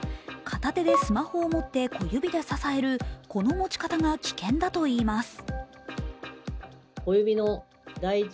片手でスマホを持って小指で支えるこの持ち方が危険だといいます。